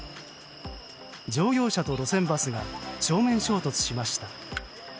乗用車と路線バスが正面衝突しました。